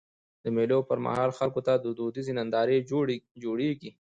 د مېلو پر مهال خلکو ته دودیزي نندارې جوړيږي.